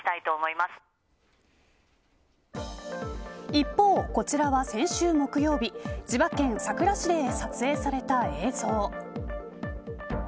一方、こちらは先週木曜日千葉県佐倉市で撮影された映像。